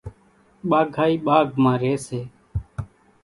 ٻاگھائِي ٻاگھ مان ريئيَ سي۔